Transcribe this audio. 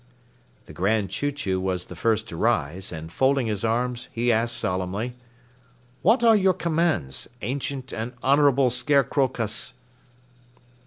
The Grand Chew Chew was the first to rise, and folding his arms, he asked solemnly: "What are your commands, Ancient and Honorable Scarecrowcus?"